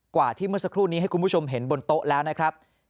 กว่าที่เมื่อสักครู่นี้ให้คุณผู้ชมเห็นบนโต๊ะแล้วนะครับ